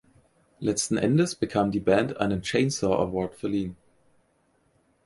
Letzten Endes bekam die Band einen Chainsaw Award verliehen.